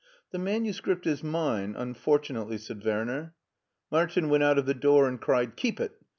"The manuscript is mine, unfortunately," said ;Werner. Martin went out of the door and cried, " Keep it